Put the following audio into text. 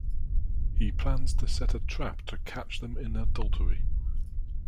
He plans to set a trap to catch them in adultery.